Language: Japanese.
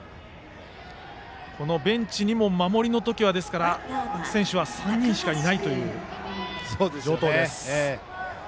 このベンチにも、守りの時は選手は３人しかいないという城東です。